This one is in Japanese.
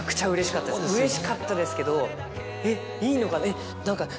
うれしかったですけど「えっいいのかなえっ何か」。